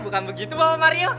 bukan begitu mario